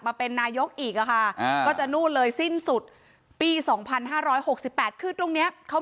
มาเป็นนายกอีกอะค่ะก็จะนู่นเลยสิ้นสุดปี๒๕๖๘คือตรงเนี้ยเขา